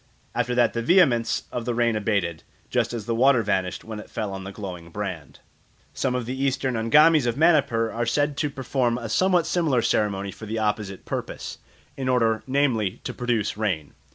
After that the vehemence of the rain abated, just as the water vanished when it fell on the glowing brand. Some of the Eastern Angamis of Manipur are said to perform a some what similar ceremony for the opposite purpose, in order, namely, to produce rain.